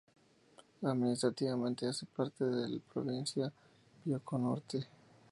Administrativamente hace parte del provincia de Bioko Norte.